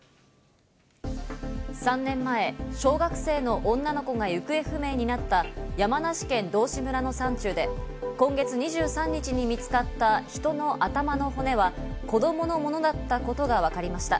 ３年前、小学生の女の子が行方不明になった山梨県道志村の山中で今月２３日に見つかった人の頭の骨は、子供のものだったことがわかりました。